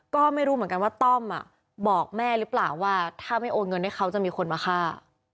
ก็ไม่รู้เหมือนกันว่าต้อมบอกแม่หรือเปล่าว่าถ้าไม่โอนเงินให้เขาจะมีคนมาฆ่า